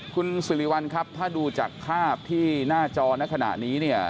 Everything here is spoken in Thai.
คุณสิริวัลครับถ้าดูจากภาพที่หน้าจอในขณะนี้เนี่ย